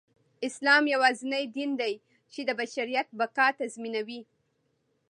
اسلام يواځينى دين دى، چې د بشریت بقاﺀ تضمينوي.